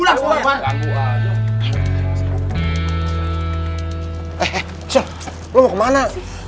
eh eh shell lo mau kemana